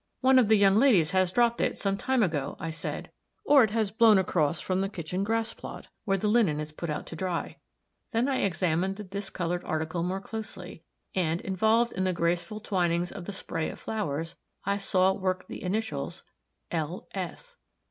"One of the young ladies has dropped it, some time ago," I said, "or it has blown across from the kitchen grass plot, where the linen is put out to dry." Then I examined the discolored article more closely, and, involved in the graceful twinings of the spray of flowers, I saw worked the initials "L. S."